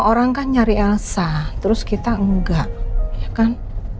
orang kan nyari elsa terus kita enggak ya kan